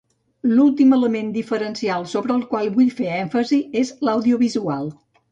L'últim element diferencial sobre el qual vull fer èmfasi és l'audiovisual.